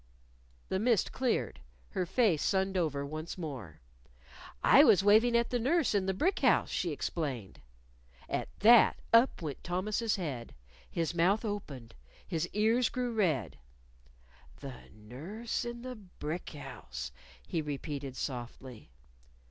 The mist cleared. Her face sunned over once more. "I was waving at the nurse in the brick house," she explained. At that, up went Thomas's head. His mouth opened. His ears grew red. "The nurse in the brick house!" he repeated softly.